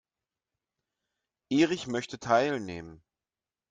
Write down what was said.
Erich möchte teilnehmen.